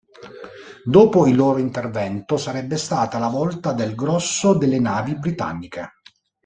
Dopo il loro intervento sarebbe stata la volta del grosso delle navi britanniche.